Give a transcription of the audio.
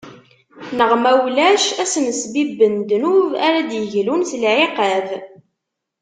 Neɣ ma ulac ad sen-sbibben ddnub ara d-iglun s lɛiqab.